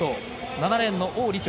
７レーンの王李超。